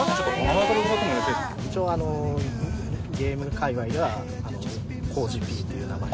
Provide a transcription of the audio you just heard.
一応ゲーム界隈ではコウジＰっていう名前で。